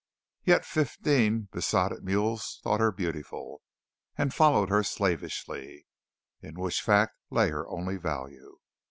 Yet fifteen besotted mules thought her beautiful, and followed her slavishly, in which fact lay her only value.